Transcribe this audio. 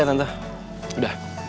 iya tante udah